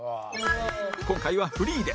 今回はフリーで